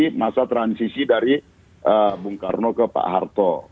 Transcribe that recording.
pengurusan transisi dari bung karno ke pak harto